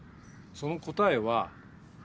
その答えは。